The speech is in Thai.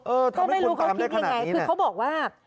ก็ไม่รู้เขาคิดยังไงคือเขาบอกว่า